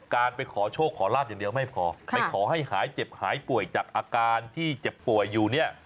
การไปขอโชคขอลาบอย่างเดียวไม่พอไปขอให้หายเจ็บหายป่วยจากอาการที่เจ็บป่วยอยู่เนี่ย